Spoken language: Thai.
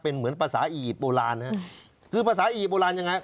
เป็นเหมือนภาษาอียิปต์โบราณนะฮะคือภาษาอียิโบราณยังไง